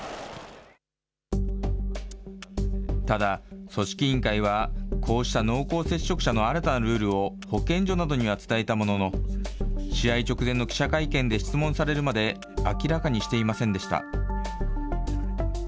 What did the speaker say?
ただ、組織委員会は、こうした濃厚接触者の新たなルールを保健所などには伝えたものの、試合直前の記者会見で質問されるまで明らかにしていませんでした。